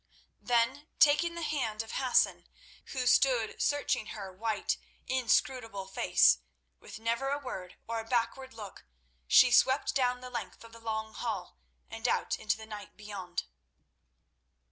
Then taking the hand of Hassan, who stood searching her white, inscrutable face, with never a word or a backward look, she swept down the length of the long hall, and out into the night beyond.